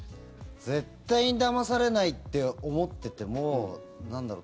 絶対にだまされないって思っててもなんだろう